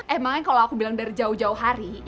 emangnya kalau aku bilang dari jauh jauh hari